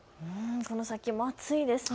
この先も暑いですね。